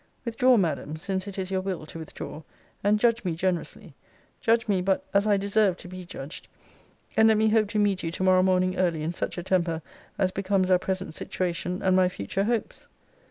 Withdraw, Madam, since it is your will to withdraw; and judge me generously; judge me but as I deserve to be judged; and let me hope to meet you to morrow morning early in such a temper as becomes our present situation, and my future hopes.